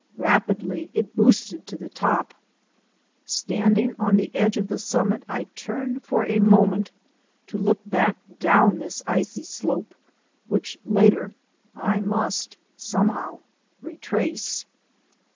Rapidly it boosted to the top. Standing on the edge of the summit I turned for a moment to look back down this icy slope which later I must some how retrace.